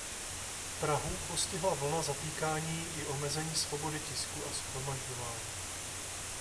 Prahu postihla vlna zatýkání i omezení svobody tisku a shromažďování.